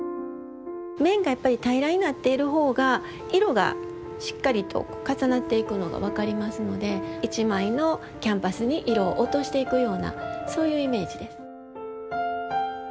面がやっぱり平らになっている方が色がしっかりと重なっていくのが分かりますので一枚のキャンバスに色を落としていくようなそういうイメージです。